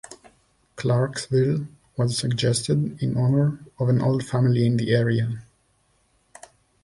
"Clarksville" was suggested in honour of an old family in the area.